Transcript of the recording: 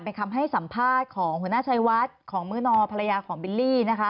เป็นคำให้สัมภาษณ์ของหัวหน้าชัยวัดของมื้อนอภรรยาของบิลลี่นะคะ